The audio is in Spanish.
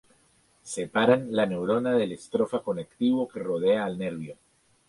Separan la neurona del estrofa conectivo que rodea al nervio.